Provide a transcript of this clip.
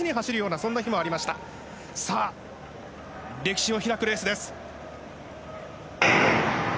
歴史を開くレースです。